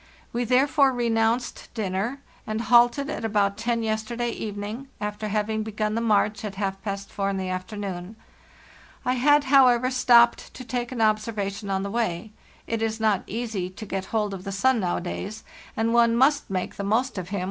We therefore re nounced dinner, and halted at about ten yesterday even ing, after having begun the march at half past four in the afternoon. I had, however, stopped to take an observation on the way. It is not easy to get hold of the sun nowadays, and one must make the most of him 2